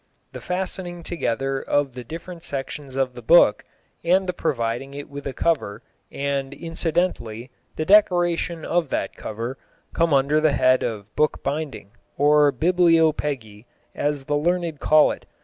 The fastening together of the different sections of the book, and the providing it with a cover, and, incidentally, the decoration of that cover, come under the head of bookbinding, or bibliopegy, as the learned call it.